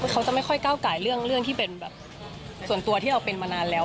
เขาจะไม่ค่อยก้าวไก่เรื่องที่เป็นแบบส่วนตัวที่เราเป็นมานานแล้ว